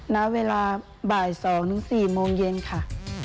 ณเวลาบ่าย๒๔โมงเย็นค่ะ